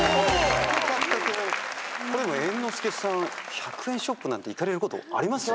猿之助さん１００円ショップなんて行かれることあります？